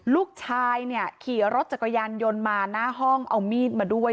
ลูกชายเนี่ยขี่รถจักรยานยนต์มาหน้าห้องเอามีดมาด้วย